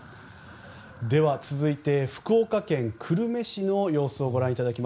では、続いて福岡県久留米市の様子です。